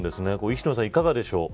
石野さん、いかがでしょう。